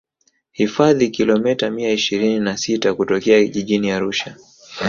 hifadhi kilomita mia ishirini na sita kutokea jijini arusha